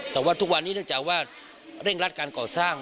แต่ว่าทุกวันนี้เนื่องจากว่าเร่งรัดการก่อสร้าง